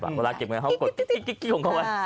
เวลาเก็บเงินเขากดกิ๊กของเขาไว้